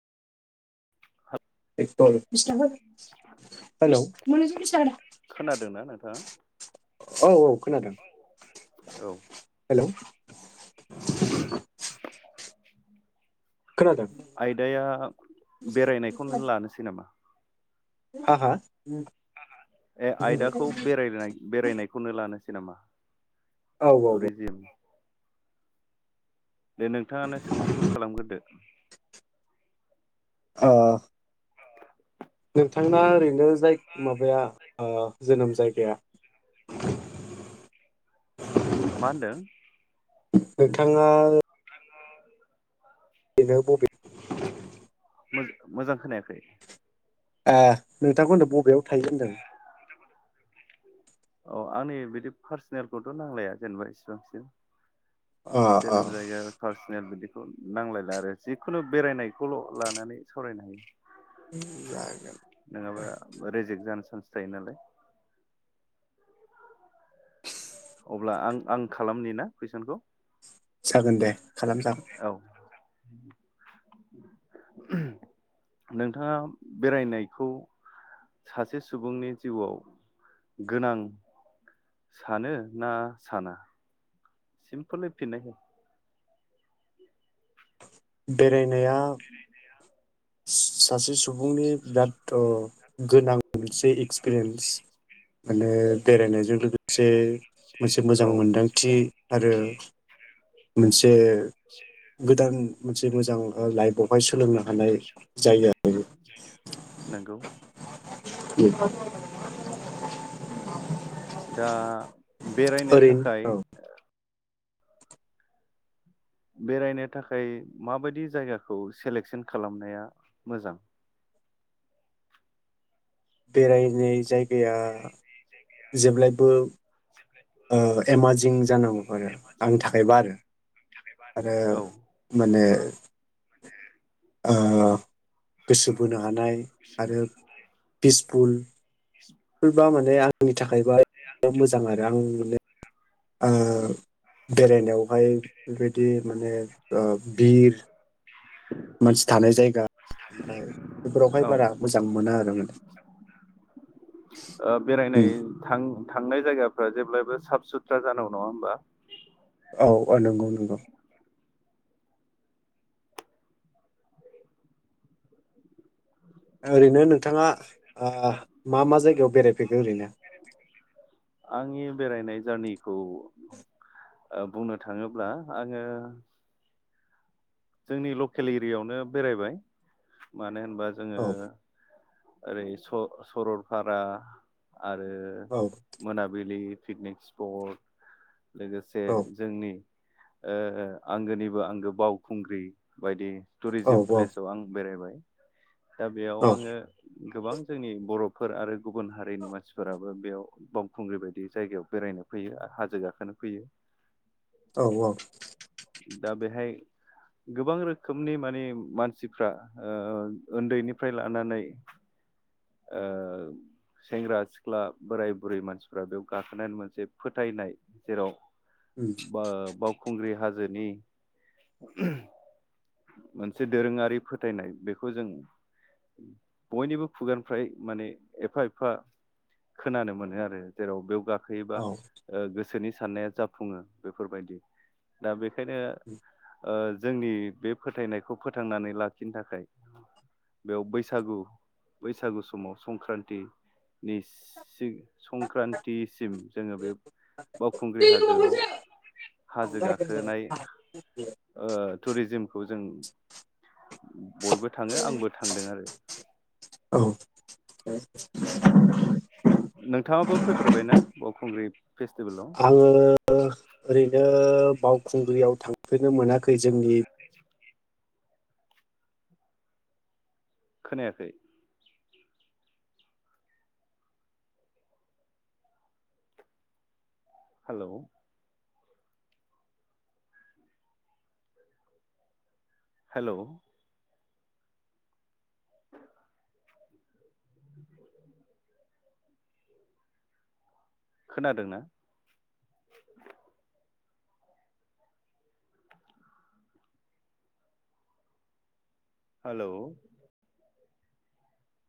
हेल' औ खोनादोंना नोंथाङा औ खोनादों औ हेलौ खोनादों आयदाया बेरायनायखौनो लानोसै नामा? हा हा? ए आयदाखौ बेरायनाय बेरायनायखौनो लानो नामा? औ औ ओ टुरिजिम दे नोंथाङानो सोंथिखौ खालामगोरदो अ नोंथांना ओरैनो जाय माबाया ओ जोनोम जायगाया मा होनदों? नोंथाङा [inaudible] मोजां खोनायाखै? आ नोंथांखौ होनदों बबेयाव थायो होनदों? औ आंनि बिदि पार्सनेलखौथ' नांलाया जेनेबा इसिबांसिम अ अ जोनोम जायगा फार्से बिदिखौ नांलायला आरो जिखुनु बेरायनायखौल' लानानै सावरायनो हायो। नङाबा [unintelligible] रेजेक्ट जानो चान्स थायो नालाय अब्ला आं आं खालामनि ना कुइसनखौ? जागोन दे खालाम जागोन। औ नोंथाङा बेरायनायखौ सासे सुबुंनि जिउआव गोनां सानो ना साना? सिमपोलै फिन्नाय हो बेरायनाया [inaudible] [inaudible] सासे सुबुंनि बिराद ओ गोनां मोनसे एक्सपिरेन्स माने बेरायनायजों लोगोसे मोनसे औ मोजां मोनदांथि आरो मोन ओ गोदान मोनसे मोजां ओ लाइब हाय सोलोंनो हानाय जायो आरो नंगौ [unintelligible] दा बेरायनो ओरैनो थाखाय औ बेरायनो थाखाय माबायदि जायगाखौ सेलेकसन खालामनाया मोजां? बेरायनाय जायगाया जेब्लायबो ओ एमाजिं जानांगौ। आंनि थाखायबा आरो, आरो औ माने ओ गोसो बोनो हानाय आरो फिस [unintelligible] नि थाखायबा मोजां आरो आंनि नुनायाव। ओ बेरायनायावहाय बेबायदि माने ओ बिर मानसि थानाय जायगा ओमफ्राय बेफोरावहाय औ बारा मोजां मोना आरो माने ओ बेरायनाय उम। थां थांनाय जायगाफ्रा जेब्लायबो साफ सुथ्रा जानांगौ नङा होमबा? औ औ नंगौ नंगौ। ओरैनो नोंथाङा आह मा मा जायगायाव बेरायफेरखो ओरैनो? आंनि बेरायनाय जारनिखौ ओ बुंनो थाङोब्ला आङो जोंनि लकेल एरियायावनो बेरायबाय मानो होमबा जोङो औ ओरै स-सरलपारा आरो औ मोनाबिलि पिकनिक स्पर्ट लोगोसे औ जोंनि ओ आंगोनिबो आंगो बाव खुंग्रि बायदि टुरिजिम प्लेसाव आं बेरायबाय दा बेयाव औ आंङो गोबां जोंनि बरफोर आरो गुबुन हारिनि मानसिफोराबो बेयाव बावखुंग्रि बायदि जायगायाव बेरायनो फैयो हाजो गाखोनो फैयो औ औ दा बेहाय गोबां रोखोमनि माने मानसिफ्रा उन्दैनिफ्राय लानानै ओ सेंग्रा सिख्ला बोराय बुरै मानसिफ्रा बेयाव गाखोनायानै मोनसे फोथायनाय जेराव उम बा बावखुंग्रि हाजो। गोदोनि। मोनसे दोरोङारि फोथायनाय बेखौ जों बयनिबो खुगानिफ्राय माने एफा एफा खोनानो मोनो आरो जेराव बेयाव गा खोयोल्बा औ गोसोनि साननाया जाफुंङो बेफोरबायदि दा बे खायनो ओ जोंनि बे फोथायनायखौ फोथांनानै लाखिनो थाखाय बेयाव बैसागु बैसागु समाव संख्रान्थिनि सि संख्रान्थिसिम जोङो बे बावखुंग्रि हाजोआव हाजो गाखोनाय ओ टुरिजिम खौ जों बयबो थाङो आंबो थांदों आरो। औ [inaudible] नोंथांङाबो फैफेरबायना बावखुंग्रि आङो फेस्टिभेलाव? ओरैनो बावखुंग्रियाव थांफेरनो मोनाखै। जोंनि खोनायाखै। हेलौ हेलौ [inaudible] [inaudible] खोनादोंना? हेलौ